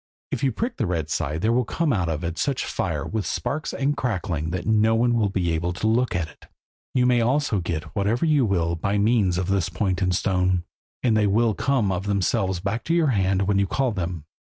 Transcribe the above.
If you prick the red side then there will come out of it such fire, with sparks and crackling, that no one will be able to look at it. You may also get whatever you will by means of this point and stone, and they will come of themselves back to your hand when you call them.